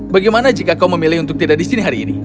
bagaimana jika kau memilih untuk tidak di sini hari ini